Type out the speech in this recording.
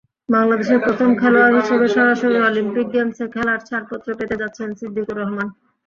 বাংলাদেশের প্রথম খেলোয়াড় হিসেবে সরাসরি অলিম্পিক গেমসে খেলার ছাড়পত্র পেতে যাচ্ছেন সিদ্দিকুর রহমান।